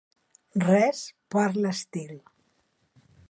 Res per l'estil.